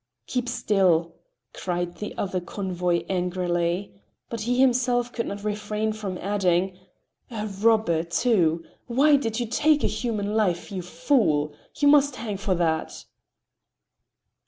"Keep still!" cried the other convoy angrily. But he himself could not refrain from adding: "A robber, too! Why did you take a human life, you fool? You must hang for that!"